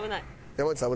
山内さん